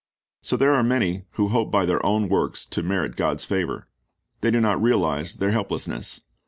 So there are many who hope by their own works to merit God's favor. They do not realize their helplessness.